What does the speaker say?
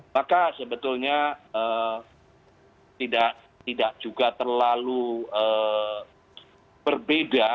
maka sebetulnya tidak juga terlalu berbeda